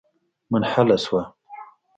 منحله شوه.